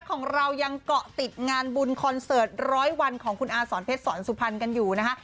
ของเรายังเกาะติดงานบุญคอนเสิร์ตร้อยวันของคุณอาสอนเพชรสอนสุพรรณกันอยู่นะคะ